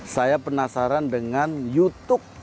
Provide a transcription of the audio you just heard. saya penasaran dengan jutuk